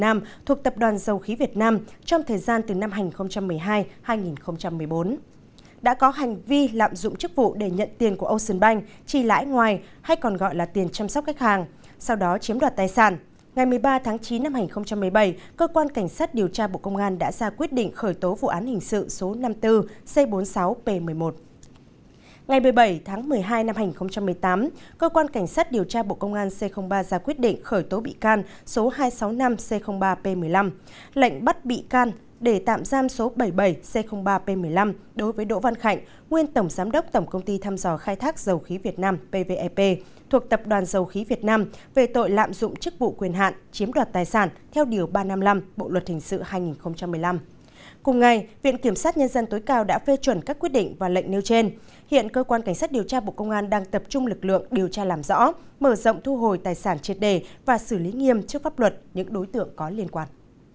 mở rộng thu hồi tài sản triệt đề và xử lý nghiêm trước pháp luật những đối tượng có liên quan